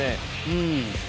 うん。